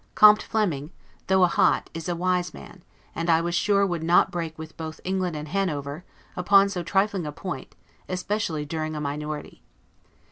Comte Flemming, though a hot, is a wise man; and I was sure would not break, both with England and Hanover, upon so trifling a point, especially during a minority.